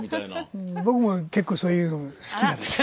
うん僕も結構そういうの好きなんですよ。